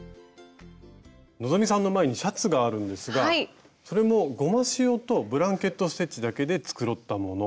希さんの前にシャツがあるんですがそれもゴマシオとブランケット・ステッチだけで繕ったもの。